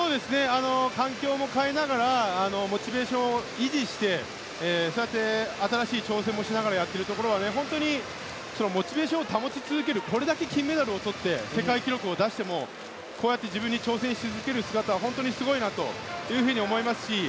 環境も変えながらモチベーションを維持して新しい挑戦もしながらやっているところモチベーションを保ち続けるこれだけ金メダルをとって世界記録を出してもこうやって自分に挑戦し続ける姿はすごいと思います。